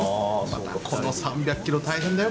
またこの３００キロ大変だよ。